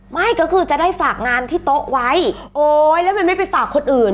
ไม่ก็คือจะได้ฝากงานที่โต๊ะไว้โอ๊ยแล้วมันไม่ไปฝากคนอื่น